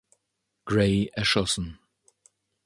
Grey" erschossen.